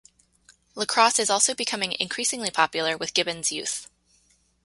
Lacrosse is also becoming increasingly popular with Gibbons' youth.